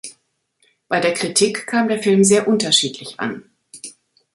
Bei der Kritik kam der Film sehr unterschiedlich an.